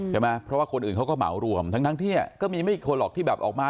ใช่ไหมเพราะว่าคนอื่นเขาก็เหมารวมทั้งที่ก็มีไม่อีกคนหรอกที่แบบออกมา